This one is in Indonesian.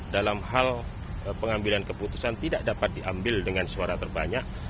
dalam hal pengambilan keputusan tidak dapat diambil dengan suara terbanyak